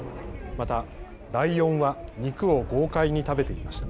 またライオンは肉を豪快に食べていました。